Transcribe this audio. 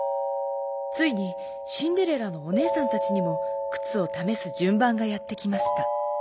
ついにシンデレラのおねえさんたちにもくつをためすじゅんばんがやってきました。